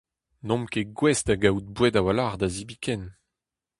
N'omp ket gouest da gaout boued a-walc'h da zebriñ ken.